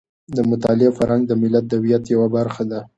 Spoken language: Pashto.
د مطالعې فرهنګ د ملت د هویت یوه برخه ده.